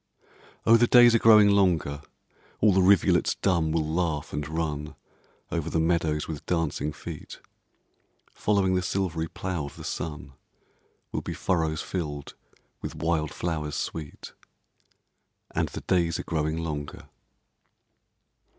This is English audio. Oh, the days are growing longer, All the rivulets dumb will laugh, and run Over the meadows with dancing feet; Following the silvery plough of the sun, Will be furrows filled with wild flowers sweet: And the days are growing longer.